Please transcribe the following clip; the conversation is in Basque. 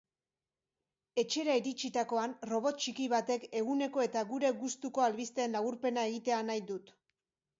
Etxera iritsitakoan robot txiki batek eguneko eta gure gustuko albisteen laburpena egitea nahi dut.